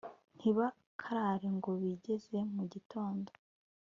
ntibikarare ngo bigeze mu gitondo